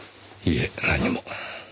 いえ何も。